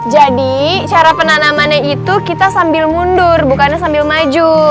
jadi cara penanamannya itu kita sambil mundur bukannya sambil maju